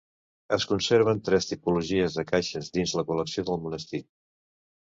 Es conserven tres tipologies de caixes dins la col·lecció del monestir.